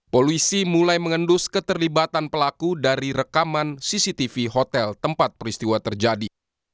polisi mulai mengendus keterlibatan pelaku dari rekaman cctv hotel tempat peristiwa terjadi